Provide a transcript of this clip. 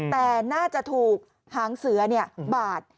แต่น่าจะถูกหางเสือบาด